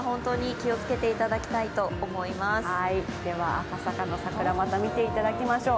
赤坂の桜、また見ていただきましょう。